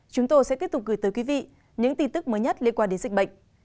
chúng tôi sẽ tiếp tục gửi tới quý vị những tin tức mới nhất liên quan đến dịch bệnh